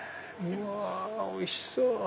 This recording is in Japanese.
うわおいしそう！